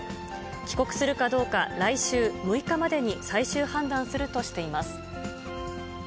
帰国するかどうか、来週６日までに最終判断するとしています。